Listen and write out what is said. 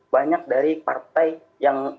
banyak dari partai yang